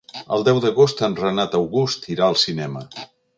El deu d'agost en Renat August irà al cinema.